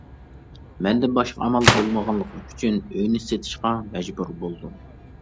مەندە باشقا ئامال بولمىغانلىقى ئۈچۈن ئۆينى سېتىشقا مەجبۇر بولدۇم.